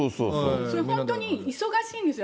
本当に忙しいんですよ。